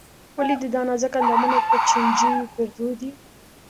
ولې دې دا نازک اندامونه په چينجيو پېرزو دي.